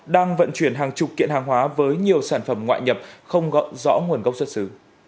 đang vận chuyển hàng chục kiện hàng hóa với nhiều sản phẩm ngoại nhập không rõ nguồn gốc xuất xứ